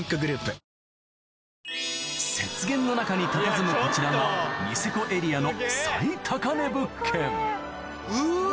雪原の中にたたずむこちらがニセコエリアのうわ！